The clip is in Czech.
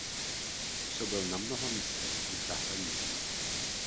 Působil na mnoha místech i v zahraničí.